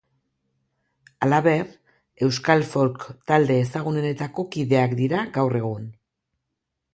Halaber, euskal folk talde ezagunenetako kideak dira, gaur egun.